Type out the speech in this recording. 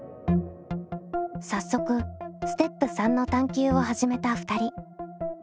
早速ステップ３の探究を始めた２人。